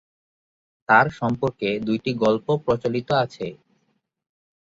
তাঁর সম্পর্কে দুইটি গল্প প্রচলিত আছে।